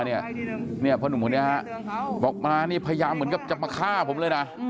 เนี่ยพ่อหนุ่มคนนี้บอกมานี่พยายามเหมือนกับจะมาฆ่าผมเลยนะ